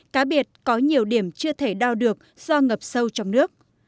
cá biệt có nhiều điểm chưa thể đo được do ngập sâu trong nước